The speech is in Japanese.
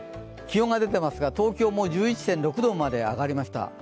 気温が出ていますが東京も１１．６度まで上がりました。